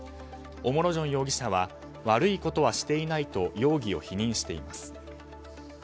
オモロジョン容疑者は悪いことはしていないと容疑を否認しています。